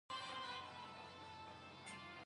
افغانستان د ستوني غرونه په اړه علمي څېړنې لري.